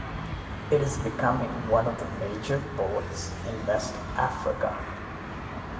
It is becoming one of the major ports in West Africa.